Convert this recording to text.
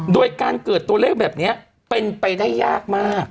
โดยการเกิดตัวเลขแบบนี้เป็นไปได้ยากมาก